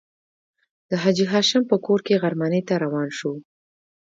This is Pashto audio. د حاجي هاشم په کور کې غرمنۍ ته روان شوو.